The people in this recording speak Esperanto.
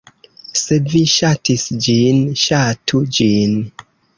Se vi ŝatis ĝin, ŝatu ĝin!